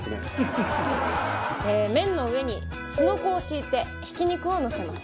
麺の上にすのこを敷いてひき肉をのせます。